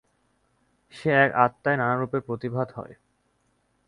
সেই এক আত্মাই নানারূপে প্রতিভাত হয়।